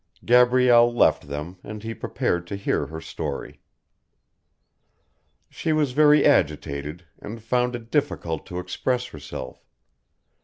Gabrielle left them and he prepared to hear her story. She was very agitated, and found it difficult to express herself.